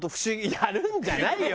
やるんじゃないよ。